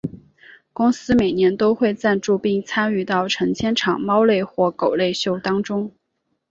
公司每年都会赞助并参与到成千场猫类或狗类秀当中。